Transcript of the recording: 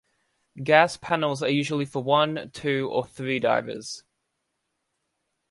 Gas panels are usually for one, two or three divers.